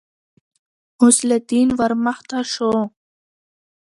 غوث الدين ورمخته شو.